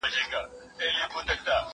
زه بايد کالي پرېولم!؟